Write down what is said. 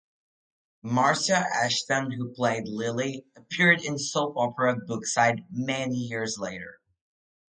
Marcia Ashton, who played Lily, appeared in soap opera "Brookside" many years later.